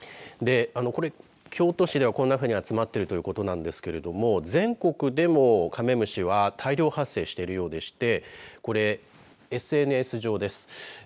京都市ではこんなふうに集まっているということなんですが全国でもカメムシは大量発生しているようでしてこれ、ＳＮＳ上です。